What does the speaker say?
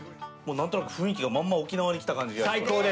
何となく雰囲気がまんま沖縄に来た感じで。